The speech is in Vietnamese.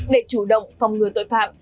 để chủ động phòng ngừa tội phạm